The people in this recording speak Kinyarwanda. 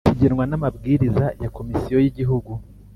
kigenwa n amabwiriza ya Komisiyo y Igihugu